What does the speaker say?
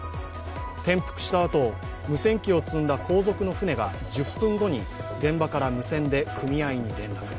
転覆したあと、無線機を積んだ後続の船が１０分後に現場から無線で組合に連絡。